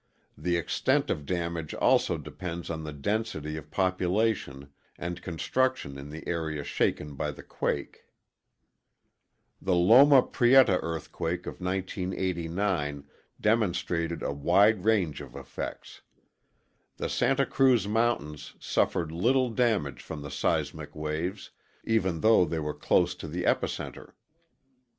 The extent of damage also depends on the density of population and construction in the area shaken by the quake. The Loma Prieta earthquake of 1989 demonstrated a wide range of effects. The Santa Cruz mountains suffered little damage from the seismic waves, even though they were close to the epicenter.